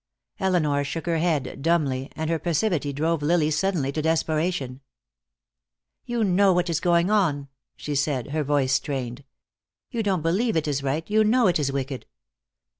Elinor shook her head, dumbly, and her passivity drove Lily suddenly to desperation. "You know what is going on," she said, her voice strained. "You don't believe it is right; you know it is wicked.